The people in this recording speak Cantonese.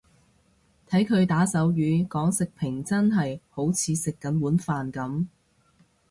睇佢打手語講食評真係好似食緊碗飯噉